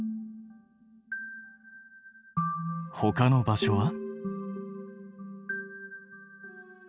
ほかの場所は。